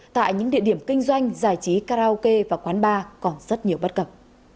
tại những địa điểm kinh doanh giải trí karaoke và quán bar còn rất nhiều bất cập